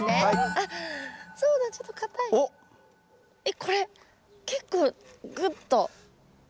えっこれ結構グッと。